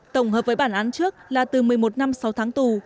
tổng hợp với bản án trước là từ một mươi một năm sáu tháng tù